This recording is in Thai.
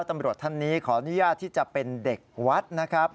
ตำรวจท่านนี้ขออนุญาตที่จะเป็นเด็กวัดนะครับ